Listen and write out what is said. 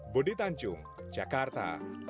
budi tanjung jakarta